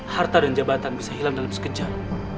harta dan jabatan bisa hilang dalam sekejar